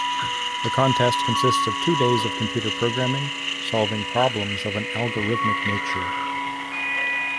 The contest consists of two days computer programming, solving problems of an algorithmic nature.